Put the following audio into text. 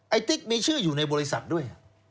ติ๊กมีชื่ออยู่ในบริษัทด้วย